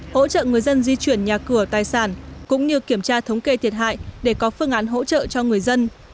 hỗ trợ người dân di chuyển nhà cửa tài sản cũng như kiểm tra thống kê thiệt hại để có phương án hỗ trợ cho người dân